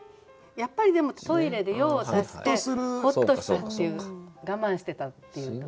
やっぱりでもトイレで用を足してほっとしたっていう我慢してたっていうとこが。